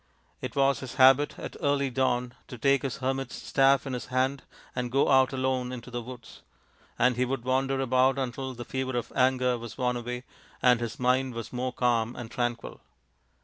It was his habit at early dawn to take his hermit's staff in his hand and go out alone into the woods : and he would wander about until the fever of anger was worn away, and his mind was more calm and tranquil.